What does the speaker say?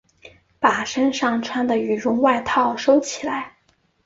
把身上穿的羽绒外套收起来